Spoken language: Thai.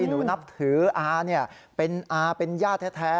หนูนับถืออาเป็นอาเป็นญาติแท้